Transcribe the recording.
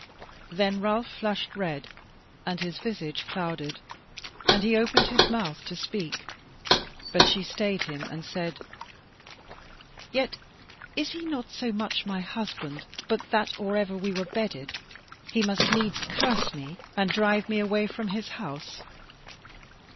Then Ralph flushed red, and his visage clouded, and he opened his mouth to speak; but she stayed him and said: "Yet is he not so much my husband but that or ever we were bedded he must needs curse me and drive me away from his house."